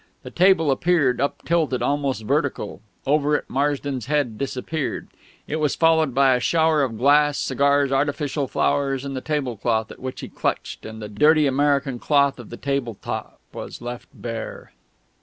The table appeared uptilted almost vertical; over it Marsden's head disappeared; it was followed by a shower of glass, cigars, artificial flowers and the tablecloth at which he clutched; and the dirty American cloth of the table top was left bare.